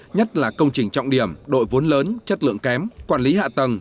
nhất là công trình trọng điểm đội vốn lớn chất lượng kém quản lý hạ tầng